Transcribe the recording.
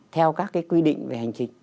theo các cái quy định về hành trình